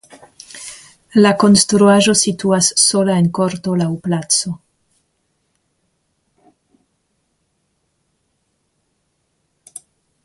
La konstruaĵo situas sola en korto laŭ placo.